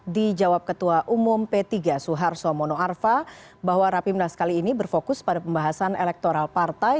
dijawab ketua umum p tiga suharto mono arfa bahwa rapimnas kali ini berfokus pada pembahasan elektoral partai